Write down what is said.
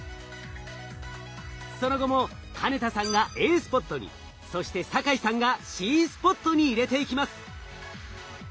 その後も金田さんがＡスポットにそして酒井さんがＣスポットに入れていきます。